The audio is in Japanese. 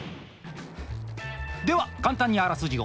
では簡単にあらすじを。